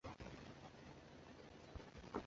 李弼雨是钟表店老板的儿子。